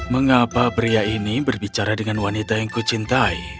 mengapa pria ini berbicara dengan wanita yang kucintai